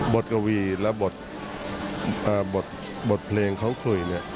บทกวีและบทเพลงของเขาคุย